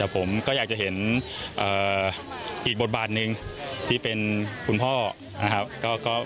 ผมก็อยากจะเห็นอีกบทบาทหนึ่งที่เป็นคุณพ่อนะครับ